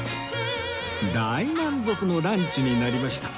大満足のランチになりました